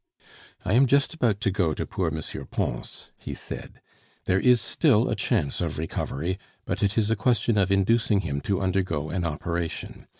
"I am just about to go to poor M. Pons," he said. "There is still a chance of recovery; but it is a question of inducing him to undergo an operation.